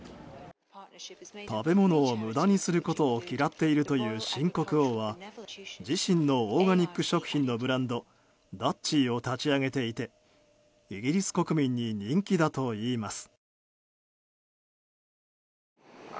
食べ物を無駄にすることを嫌っているという新国王は自身のオーガニック食品のブランドダッチーを立ち上げていてイギリス国民に人気だといいます。